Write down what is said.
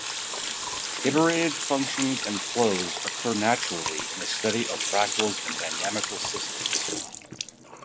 Iterated functions and flows occur naturally in the study of fractals and dynamical systems.